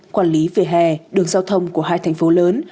quản lý về hè đường giao thông của hai thành phố lớn